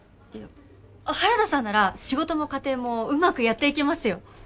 原田さんなら仕事も家庭もうまくやっていけますよ。